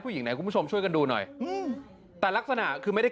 ไหนคุณผู้ชมช่วยกันดูหน่อยอืมแต่ลักษณะคือไม่ได้